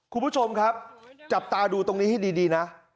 คุณผู้ชมครับจับตาดูตรงนี้ให้ดีนะ